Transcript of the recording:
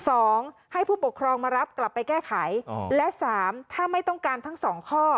สองให้ผู้ปกครองมารับกลับไปแก้ไขอ๋อและสามถ้าไม่ต้องการทั้งสองข้อ